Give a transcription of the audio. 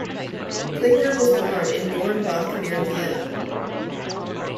Klinger was born in Dornbach near Vienna.